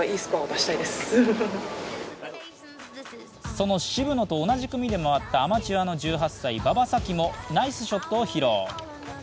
その渋野と同じ組で回ったアマチュアの１８歳、馬場咲希もナイスショットを披露。